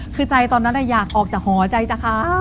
คือใจตอนนั้นเนี่ยอยากออกจากหอใจจากฮา